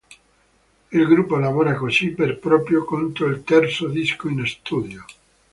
Il gruppo lavora così per proprio conto al terzo disco in studio.